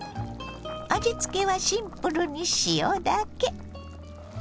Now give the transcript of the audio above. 味つけはシンプルに塩だけ。